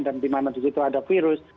dan di mana disitu ada virus